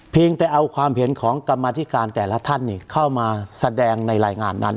เพียงแต่เอาความเห็นของกรรมธิการแต่ละท่านเข้ามาแสดงในรายงานนั้น